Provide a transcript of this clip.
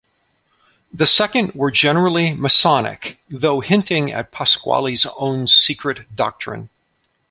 The second were generally Masonic, though hinting at Pasqually's own secret doctrine.